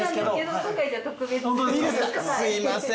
すいません